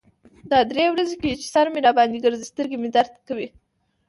دا درې ورځې کیږی چې سر مې را باندې ګرځی. سترګې مې درد کوی.